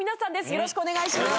よろしくお願いします。